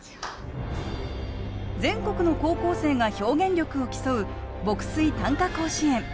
全国の高校生が表現力を競う牧水・短歌甲子園。